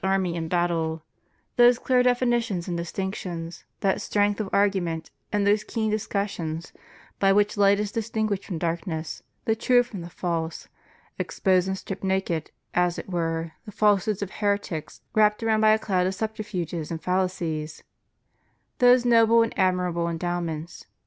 army in battle, those clear definitions and distinctions, that strength of argument and those keen discussions, by which light is distinguished from darkness, the true from the false, expose and strip naked, as it were, the falsehoods of heretics wrapped around by a cloud of subterfuges and fallacies" *— those noble and admirable endowments.